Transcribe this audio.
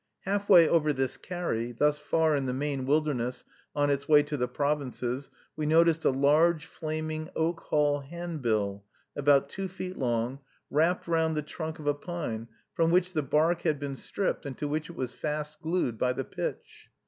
Halfway over this carry, thus far in the Maine wilderness on its way to the Provinces, we noticed a large, flaming, Oak Hall handbill, about two feet long, wrapped round the trunk of a pine, from which the bark had been stripped, and to which it was fast glued by the pitch.